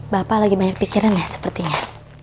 bapak lagi banyak pikiran ya sepertinya